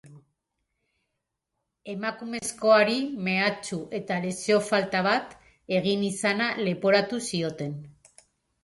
Emakumezkoari mehatxu eta lesio falta bat egin izana leporatu zioten.